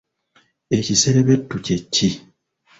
Ekiserebetu kye ki?